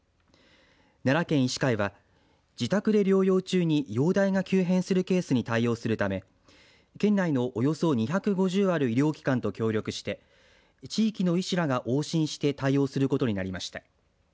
奈良県医師会は自宅で療養中に容体が急変するケースに対応するため県内のおよそ２５０ある医療機関と協力して地域の医師らが往診して対応することになりました。